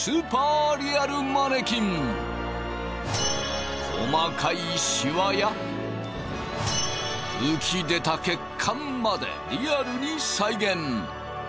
その名も細かいシワや浮き出た血管までリアルに再現。